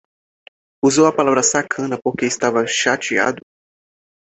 Usou a palavra sacana porque estava chateado